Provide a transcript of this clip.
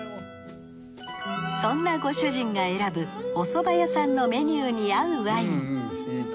そんなご主人が選ぶお蕎麦屋さんのメニューに合うワイン。